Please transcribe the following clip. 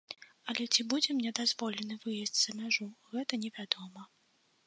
Але ці будзе мне дазволены выезд за мяжу, гэта не вядома.